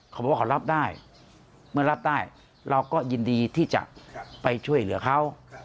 เขาบอกว่าเขารับได้เมื่อรับได้เราก็ยินดีที่จะไปช่วยเหลือเขา